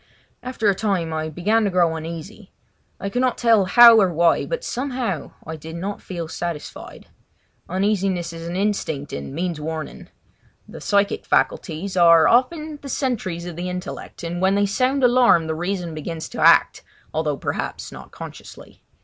After a time I began to grow uneasy. I could not tell how or why, but somehow I did not feel satisfied. Uneasiness is an instinct and means warning. The psychic faculties are often the sentries of the intellect, and when they sound alarm the reason begins to act, although perhaps not consciously.